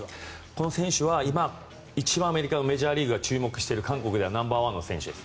この選手は今一番メジャーリーグが注目している、韓国ではナンバーワンの選手です。